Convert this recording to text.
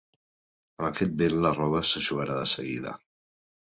Amb aquest vent la roba s'eixugarà de seguida!